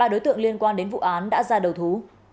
ba đối tượng liên quan đến vụ án đã ra đầu thú